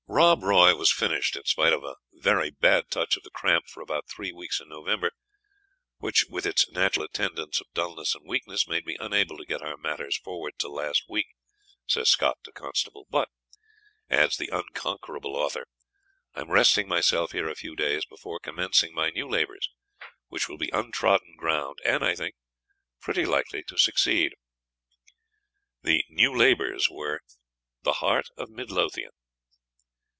"Rob Roy" was finished in spite of "a very bad touch of the cramp for about three weeks in November, which, with its natural attendants of dulness and, weakness, made me unable to get our matters forward till last week," says Scott to Constable. "But," adds the unconquerable author, "I am resting myself here a few days before commencing my new labours, which will be untrodden ground, and, I think, pretty likely to succeed." The "new labours" were "The Heart of Mid Lothian."